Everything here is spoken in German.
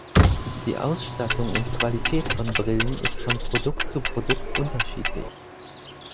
Die Ausstattung und Qualität von Brillen ist von Produkt zu Produkt unterschiedlich.